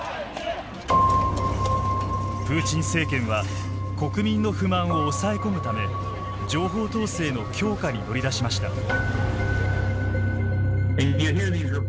プーチン政権は国民の不満を抑え込むため情報統制の強化に乗り出しました。